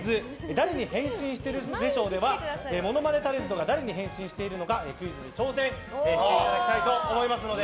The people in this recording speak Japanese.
誰に変身してるでＳＨＯＷではモノマネタレントが誰に変身しているのかクイズに挑戦していただきたいと思います。